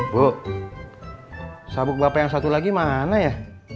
bu sabuk bapak yang satu lagi mana ya